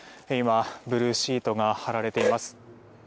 ブルーシートが張られています。